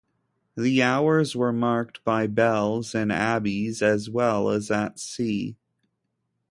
The hours were marked by bells in abbeys as well as at sea.